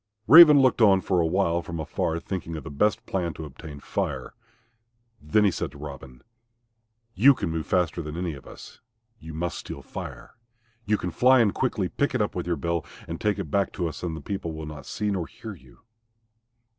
Raven looked on for a while from afar thinking of the best plan to obtain Fire. Then he said to Robin, "You can move faster than any of us. You must steal Fire. You can fly in quickly, pick it up in your bill and take it back to us and the people will not see nor hear you."